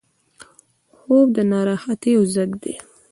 خوب د ناراحتیو ضد دی